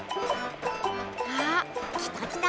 あっきたきた！